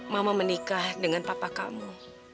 mama menikah dengan papa kamu